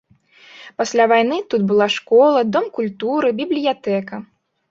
Пасля вайны тут была школа, дом культуры, бібліятэка.